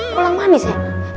kurang manis ya